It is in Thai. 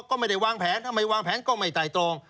ก็ไม่ได้วางแผนถ้าไม่วางแผนก็ไม่ไต่ตรอง